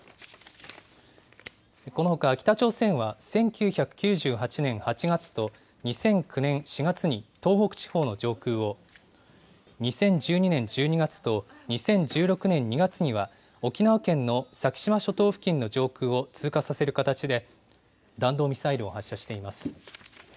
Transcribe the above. このほか北朝鮮は１９９８年８月と２００９年４月に東北地方の上空を、２０１２年１２月と２０１６年２月には、沖縄県の先島諸島付近の上空を通過させる形で、弾道ミサイルを発射しています。